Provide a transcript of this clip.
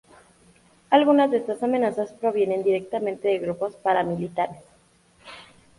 Algunas de estas amenazas provienen directamente de grupos paramilitares.